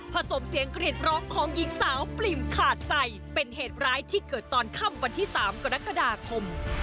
สมเสียงกรีดร้องของหญิงสาวปริ่มขาดใจเป็นเหตุร้ายที่เกิดตอนค่ำวันที่๓กรกฎาคม